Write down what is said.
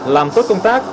làm tốt công tác